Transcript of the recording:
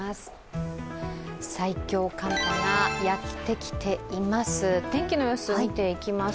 最強寒波がやってきています。